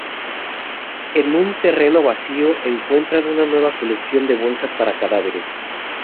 En un terreno vacío, encuentran una nueva colección de bolsas para cadáveres.